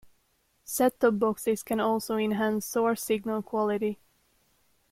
Set-top boxes can also enhance source signal quality.